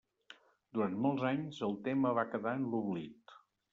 Durant molts anys el tema va quedar en l'oblit.